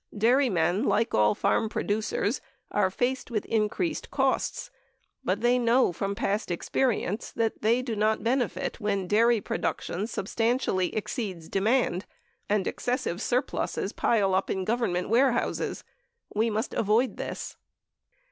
Dairymen, like all farm producers, are faced with increased costs. But they know from past experience that they do not benefit when dairy production substantially exceeds demand and excessive surpluses pile up in Government warehouses. We must avoid this.